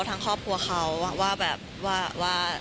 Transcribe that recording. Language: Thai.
ทั้งครอบครัวเขาว่าแบบว่า